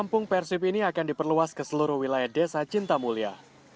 kampung persib ini akan diperluas ke seluruh wilayah desa cinta mulia